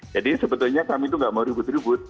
jadi sebetulnya kami itu tidak mau ribut ribut